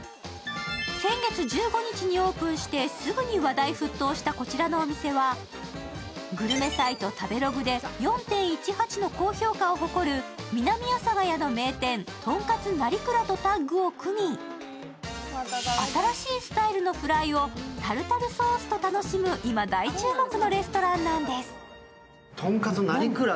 先月１５日にオープンしてすぐに話題沸騰したこちらのお店は、グルメサイト、食べログで４．１８の高評価を誇る南阿佐ケ谷の名店とんかつ成蔵とタッグを組み、新しいスタイルのフライをタルタルソースと楽しむ今大注目のレストランなんです。